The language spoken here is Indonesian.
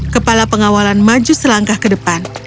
kepala pengawalan maju selangkah ke depan